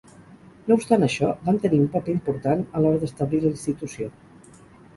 No obstant això, van tenir un paper important a l'hora d'establir la institució.